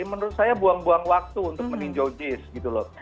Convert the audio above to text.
menurut saya buang buang waktu untuk meninjau